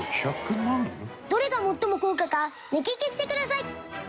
５００万？どれが最も高価か目利きしてください。